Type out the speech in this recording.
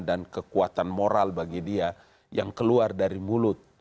dan kekuatan moral bagi dia yang keluar dari mulut